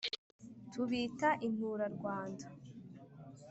tubita intura rwanda